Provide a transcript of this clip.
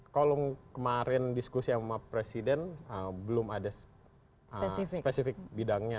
kalau kemarin diskusi sama presiden belum ada spesifik bidangnya